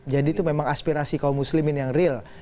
jadi itu memang aspirasi kaum muslim ini yang real